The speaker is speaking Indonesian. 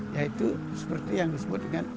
yaitu seperti yang disebut dengan